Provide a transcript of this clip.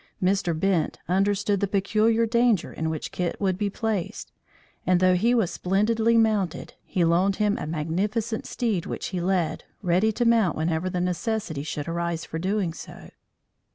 Mr. Bent understood the peculiar danger in which Kit would be placed, and though he was splendidly mounted, he loaned him a magnificent steed which he led, ready to mount whenever the necessity should arise for doing so.